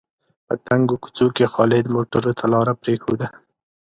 په تنګو کوڅو کې خالد موټرو ته لاره پرېښوده.